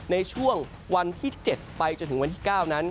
ในช่วงวันที่๗ไปจนถึงวันที่๙นั้น